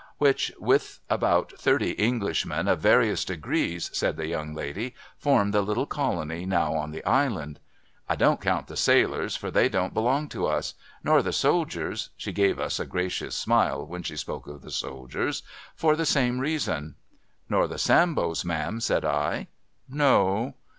' Which, with about thirty Englishmen of various degrees,' said the young lady, ' form the little colony now on the Island. I don't count the sailors, for they don't belong to us. Nor the soldiers,' she gave us a gracious smile when she spoke of the soldiers, ' for the same reason.' ' Nor the Sambos, ma'am,' said I. ' No.'